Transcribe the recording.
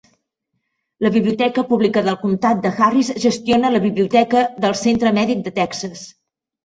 La Biblioteca Pública del Comtat de Harris gestiona la Biblioteca del Centre Mèdic de Texas.